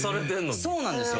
そうなんですよ。